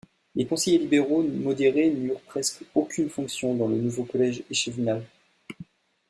Les conseillers libéraux modérés n'eurent presque plus aucune fonction dans le nouveau collège échevinal.